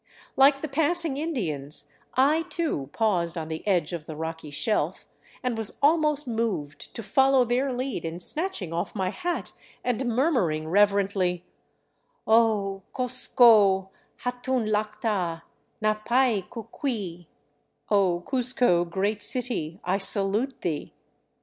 Like the passing Indians, I, too, paused on the edge of the rocky shelf, and was almost moved to follow their lead in snatching off my hat and murmuring reverently, " O Ccoscco, Hatun Llacta, Napai cuiqui — Oh, Cuzco, Great City, I salute thee